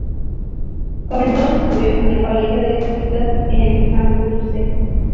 Comenzó sus estudios en el Colegio de Jesuitas en Santurce.